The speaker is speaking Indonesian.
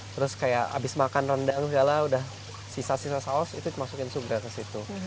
terus kayak abis makan rendang segala udah sisa sisa saus itu dimasukin sugeras itu